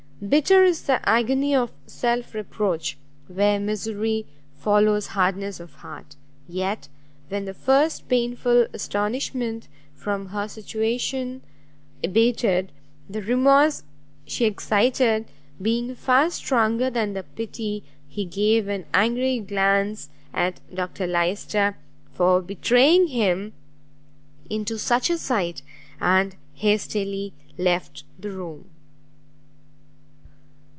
bitter is the agony of self reproach, where misery follows hardness of heart! yet, when the first painful astonishment from her situation abated, the remorse she excited being far stronger than the pity, he gave an angry glance at Dr Lyster for betraying him into such a sight, and hastily left the room.